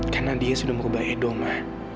karena dia sudah merubah edo ma